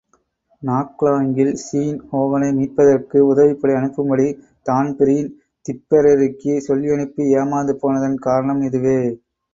நாக்லாங்கில் Sean ஹோகனை மீட்பதற்காக உதவிப்படை அனுப்பும்படி தான்பிரீன் திப்பெரரிக்குச் சொல்லியனுப்பி ஏமாந்து போனதன் காரணம் இதுவே.